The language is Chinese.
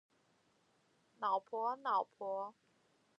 脑婆脑婆